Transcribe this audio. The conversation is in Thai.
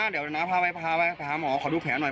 เดี๋ยวนะพาไปหาหมอขอดูแผลหน่อย